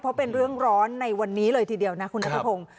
เพราะเป็นเรื่องร้อนในวันนี้เลยทีเดียวนะคุณนัทพงศ์